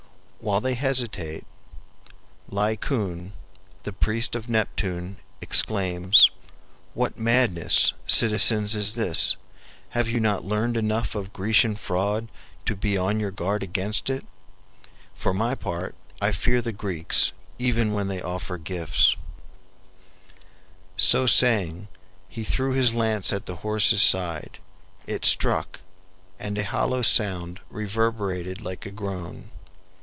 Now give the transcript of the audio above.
While they hesitate, Laocoon, the priest of Neptune exclaims, "What madness, citizens, is this? Have you not learned enough of Grecian fraud to be on your guard against it? For my part, I fear the Greeks even when they offer gifts." [Footnote: See Proverbial Expressions.] So saying he threw his lance at the horse's side. It struck, and a hollow sound reverberated like a groan.